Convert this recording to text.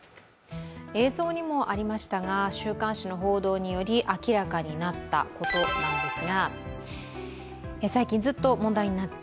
映像にもありましたが週刊誌の報道により明らかになったことです。